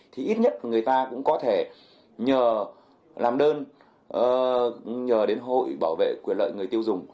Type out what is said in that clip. thì ít nhất người ta cũng có thể nhờ làm đơn nhờ đến hội bảo vệ quyền lợi người tiêu dùng